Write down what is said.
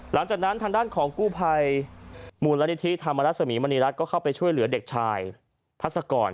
หลังจากนั้นทางด้านของกู้ภัยมูลนิธิธรรมรสมีมณีรัฐก็เข้าไปช่วยเหลือเด็กชายพัศกร